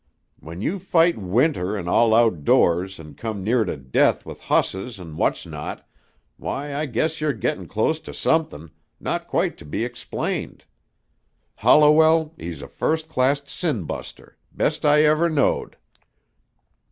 When you fight winter an' all outdoors an' come near to death with hosses an' what not, why, I guess you're gettin' close to somethin' not quite to be explained. Holliwell, he's a first class sin buster, best I ever knowed."